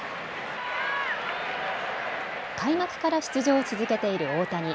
開幕から出場を続けている大谷。